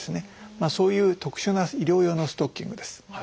そういう特殊な医療用のストッキングです。